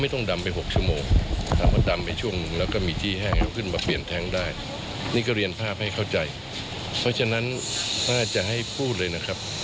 ถ้าอาจจะให้พูดเลยนะครับ